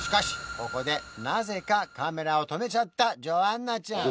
ここでなぜかカメラを止めちゃったジョアンナちゃん